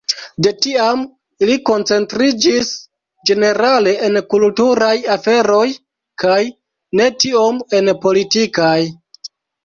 De tiam ili koncentriĝis ĝenerale en kulturaj aferoj kaj ne tiom en politikaj.